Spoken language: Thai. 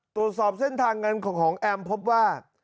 ตรวจสอบเส้นทางเงินของแอมพบว่า